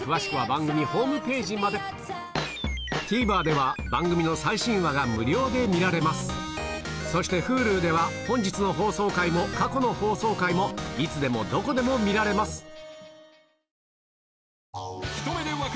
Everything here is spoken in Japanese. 番組ではＴＶｅｒでは番組の最新話が無料で見られますそしてＨｕｌｕでは本日の放送回も過去の放送回もいつでもどこでも見られます